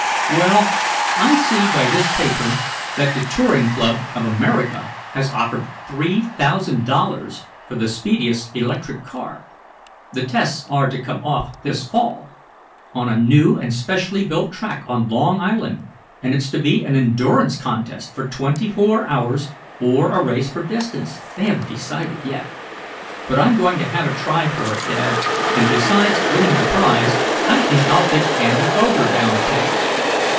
"Well, I see by this paper that the Touring Club of America has offered three thousand dollars for the speediest electric car. The tests are to come off this fall, on a new and specially built track on Long Island, and it's to be an endurance contest for twenty four hours, or a race for distance, they haven't yet decided. But I'm going to have a try for it, dad, and, besides winning the prize, I think I'll take Andy Foger down a peg.